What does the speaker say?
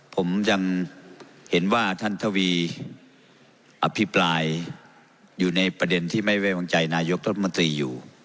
ผมยังเห็นว่าท่านทวีอภิปรายอยู่ในประเด็นที่ไม่ไว้วางใจนายกรัฐมนตรีอยู่